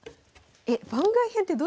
えっ番外編ってどういうこと？